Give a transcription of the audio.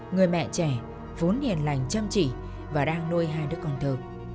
người mẹ trẻ vốn hiền lành chăm chỉ và đang nuôi hai đứa con thơ